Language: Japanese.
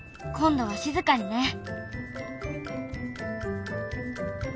今度は静かにね。